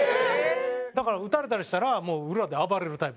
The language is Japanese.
だから打たれたりしたらもう裏で暴れるタイプです。